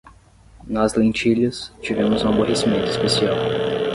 Nas lentilhas, tivemos um aborrecimento especial.